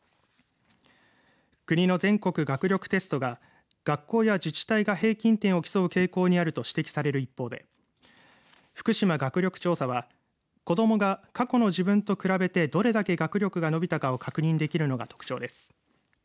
国の全国学力テストが学校や自治体が平均点を競う傾向にあると指摘される一方でふくしま学力調査は子どもが過去の自分と比べてどれだけ学力が伸びたかを確認できるのが特徴です。